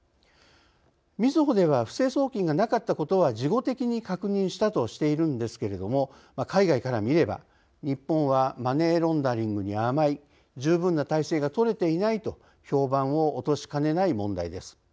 みずほでは不正送金がなかったことは事後的に確認したとしているんですが海外から見れば日本はマネーロンダリングに甘い十分な体制がとれていないと評判を落としかねない問題です。